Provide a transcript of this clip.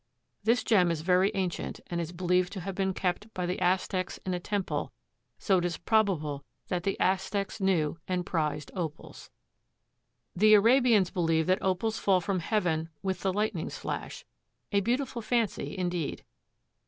This gem is very ancient and is believed to have been kept by the Aztecs in a temple, so it is probable that the Aztecs knew and prized Opals. The Arabians believe that Opals fall from heaven with the lightning's flash, a beautiful fancy, indeed.